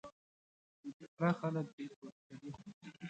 جګړه خلک بې کوره کوي